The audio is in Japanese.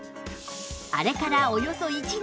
あれからおよそ１年。